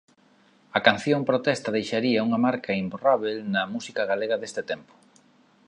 A canción protesta deixaría unha marca imborrábel na música galega deste tempo.